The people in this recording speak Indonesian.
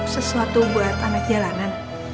sesuatu buat anak jalanan